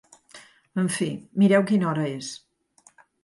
En fi, mireu quina hora és.